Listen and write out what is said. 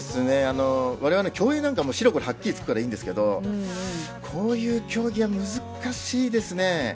われわれの競泳なんかは白黒はっきりつくからいいのですがこういう競技は難しいですね。